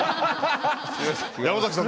山崎さん